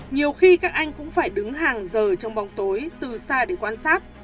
nhiều khi các anh cũng phải đứng hàng giờ trong bóng tối từ xa để quan sát